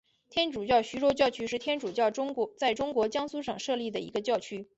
天主教徐州教区是天主教在中国江苏省设立的一个教区。